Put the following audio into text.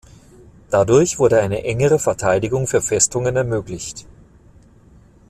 Dadurch wurde eine engere Verteidigung für Festungen ermöglicht.